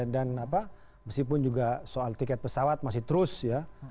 dan meskipun juga soal tiket pesawat masih terus ya